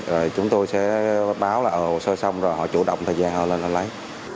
rồi chúng tôi sẽ báo là hồ sơ xong rồi họ chủ động thời gian họ lên họ lấy